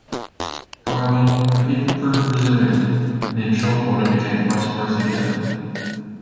However, the people proved resilient, and in short order became prosperous again.